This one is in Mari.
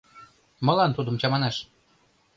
Молан тудым чаманаш?